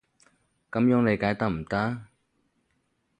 噉樣理解得唔得？